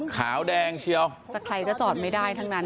ขาวแดงเชียวจะใครก็จอดไม่ได้ทั้งนั้น